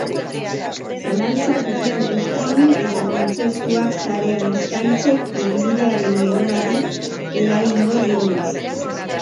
Zalantzak ditu streaming eta kontzertuak sarean eskaintzek lanbidearen geroari eragingo dionaz.